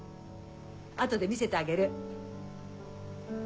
後で見せてあげる。